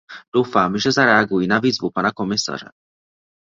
Doufám, že zareagují na výzvu pana komisaře.